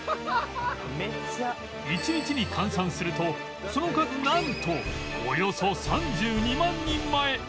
１日に換算するとその数なんとおよそ３２万人前！